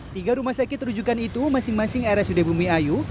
tiga rumah sakit terujukan itu masing masing area sudabumi ayu